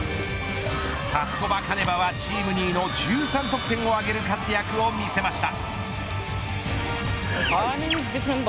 パスコバカネバがチーム２位の１３得点を挙げる活躍を見せました。